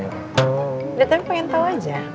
ya tapi pengen tau aja